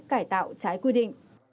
cải tạo trái quy định